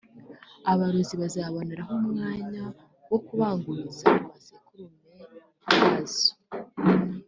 aborozi bazaboneraho umwanya wo kubanguriza ku masekurume yazo